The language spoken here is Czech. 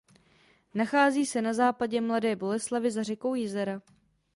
Nachází se na západě Mladé Boleslavi za řekou Jizera.